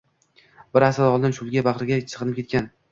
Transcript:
Bir asr oldin cho‘l bag‘riga singib ketgan